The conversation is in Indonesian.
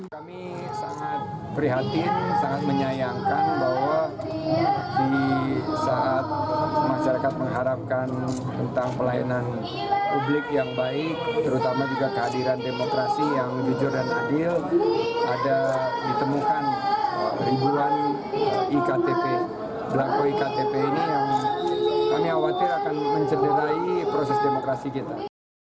kami khawatir akan menceritai proses demokrasi kita